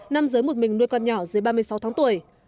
nam giới một mình nuôi con nhỏ dưới ba mươi sáu tháng tuổi